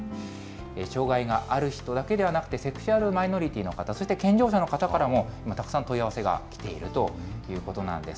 障害がある人だけではなくて、セクシュアルマイノリティの方々、そして、健常者の方からも今、たくさん問い合わせが来ているということなんです。